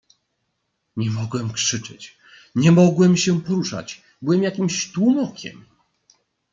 "Nie mogłem krzyczeć, nie mogłem się poruszać... byłem jakimś tłumokiem."